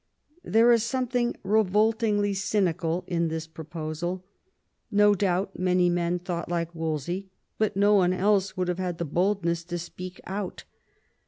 There is something revoltingly cynical in this proposal. No doubt many men thought like Wolsey, but no one else would have had the bold ness to speak out.